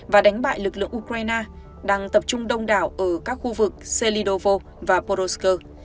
và đánh bại lực lượng ukraine đang tập trung đông đảo ở các khu vực selidovo và poroskoy